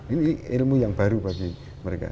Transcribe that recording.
ini ilmu yang baru bagi mereka